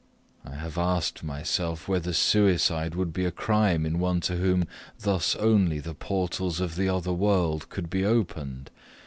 I have asked myself, whether suicide would be a crime in one to whom thus only the portals of the other world could be opened.